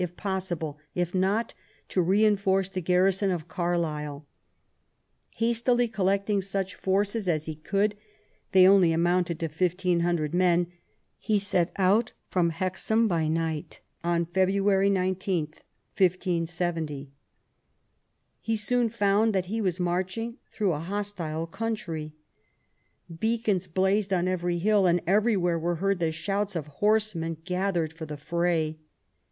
121 if possible ; if not, to reinforce the garrison of Cadisle. Hastily collecting such forces as he could — they only amounted to 1500 men — he set out from Hexham by night on February 19, 1570. He soon found that he was marching through a hostile country. Beacons blazed on every hill, and every where were heard the shouts of horsemen gathering for the fray.